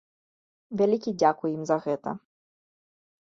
Вялікі дзякуй ім за гэта.